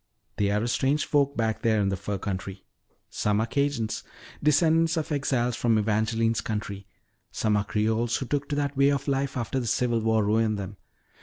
They are a strange folk back there in the fur country. "Some are Cajuns, descendants of exiles from Evangeline's country; some are Creoles who took to that way of life after the Civil War ruined them.